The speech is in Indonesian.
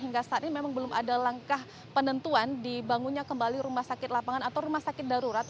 hingga saat ini memang belum ada langkah penentuan dibangunnya kembali rumah sakit lapangan atau rumah sakit darurat